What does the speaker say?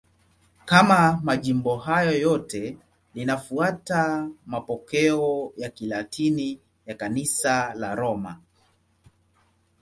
Kama majimbo hayo yote, linafuata mapokeo ya Kilatini ya Kanisa la Roma.